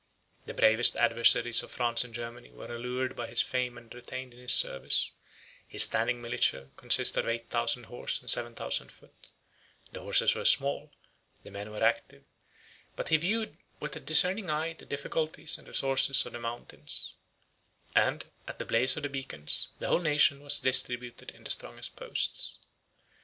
The bravest adventurers of France and Germany were allured by his fame and retained in his service: his standing militia consisted of eight thousand horse and seven thousand foot; the horses were small, the men were active; but he viewed with a discerning eye the difficulties and resources of the mountains; and, at the blaze of the beacons, the whole nation was distributed in the strongest posts.